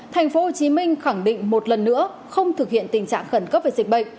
tp hcm khẳng định một lần nữa không thực hiện tình trạng khẩn cấp về dịch bệnh